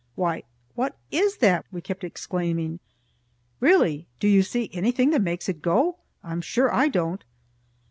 "Why, what is that?" we kept exclaiming. "Really, do you see anything that makes it go? I'm sure I don't."